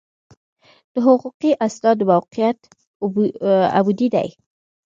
د حقوقي اسنادو موقعیت عمودي دی.